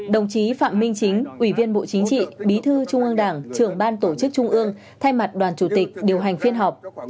đồng chí phạm minh chính ủy viên bộ chính trị bí thư trung ương đảng trưởng ban tổ chức trung ương thay mặt đoàn chủ tịch điều hành phiên họp